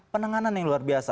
penanganan yang luar biasa